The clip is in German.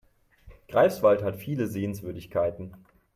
Greifswald hat viele Sehenswürdigkeiten